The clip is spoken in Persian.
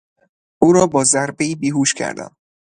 او را با ضربهای بیهوش کردم.